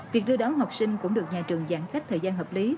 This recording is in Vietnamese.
việc đưa đón học sinh cũng được nhà trường giãn cách thời gian hợp lý